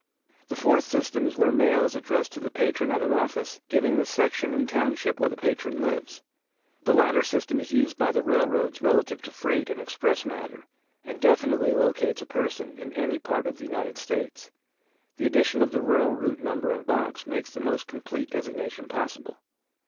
The fourth system is where mail is addressed to the patron at an office giving the section and township where the patron lives. This latter system is used by the railroads relative to freight and express matter and definitely locates a person in any part of the United States. The addition of the rural route number and box makes the most complete designation possible.